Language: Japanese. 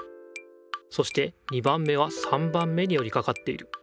そして２番目は３番目によりかかっている。